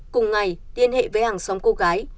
cùng ngày liên hệ với hàng xóm cô gái